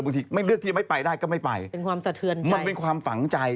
เป็นความสเทือนใจ